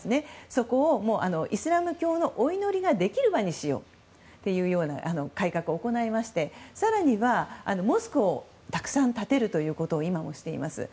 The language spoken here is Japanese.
そこをイスラム教のお祈りができる場にしようという改革を行いまして更にはモスクをたくさん建てるということを今もしています。